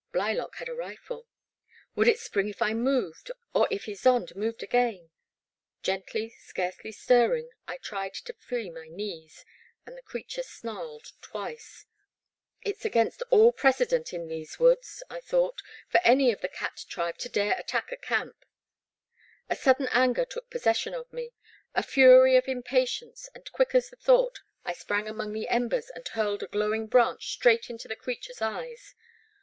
Blylock had a rifle. Would it spring if I moved, or if Ysonde moved again ? Gently, scarcely stirring, I tried to free my knees, and the creature snarled twice. It *s against all precedent in these woods, I thought, for any of the cat tribe to dare attack a camp. A sudden anger took possession of me, a fury of impatience, and quick as the thought, I sprang among the embers and hurled a glowing branch straight into the creature's eyes.